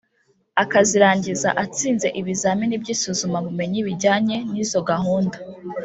akazirangiza atsinze ibizamini by’isuzuma-bumenyi bijyanye n’izo gahunda ;